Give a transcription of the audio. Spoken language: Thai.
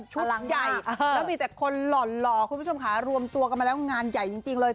ชุดหลังใหญ่แล้วมีแต่คนหล่อคุณผู้ชมค่ะรวมตัวกันมาแล้วงานใหญ่จริงเลย